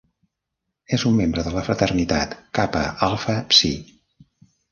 És un membre de la fraternitat "Kappa Alpha Psi".